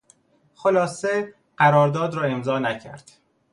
خلاصه، قرارداد را امضا نکرد.